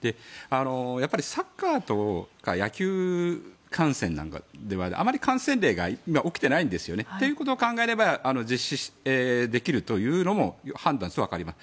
やっぱりサッカーとか野球観戦なんかではあまり感染例が今、起きていないんですよね。ということを考えれば実施できるというのも判断としてわかります。